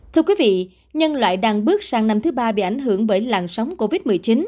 thưa quý vị nhân loại đang bước sang năm thứ ba bị ảnh hưởng bởi làn sóng covid một mươi chín